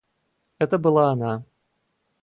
Это была она.